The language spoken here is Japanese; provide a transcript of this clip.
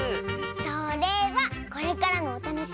それはこれからのおたのしみ！